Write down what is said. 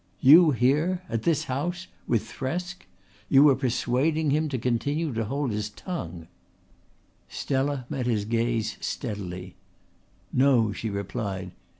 "You here at this house with Thresk? You were persuading him to continue to hold his tongue." Stella met his gaze steadily. "No," she replied.